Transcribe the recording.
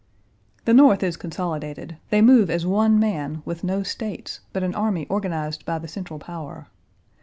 The North is consolidated; they move as one man, with no States, but an army organized by the central power.